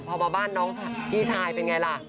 พอมาบ้านน้องพี่ชายเป็นไงล่ะ